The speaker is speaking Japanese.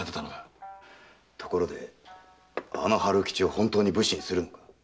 ところで春吉を本当に武士にするのか？